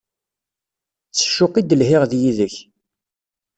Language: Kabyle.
S ccuq i d-lhiɣ d yid-k!